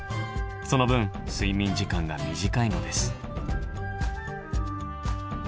その分睡眠時間が短いのです。